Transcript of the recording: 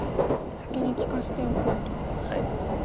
先に利かしておこうということですか。